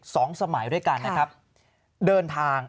สองสมัยด้วยกันนะครับเดินทาง